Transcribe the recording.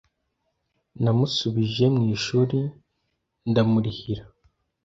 Namusubije mu ishuri, ndamurihira,